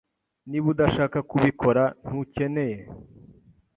Niba udashaka kubikora, ntukeneye.